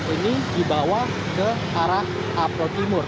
ini dibawa ke arah apro timur